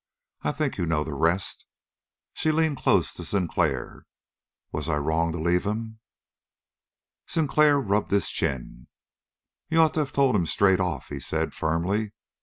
I think you know the rest." She leaned close to Sinclair. "Was I wrong to leave him?" Sinclair rubbed his chin. "You'd ought to have told him straight off," he said firmly.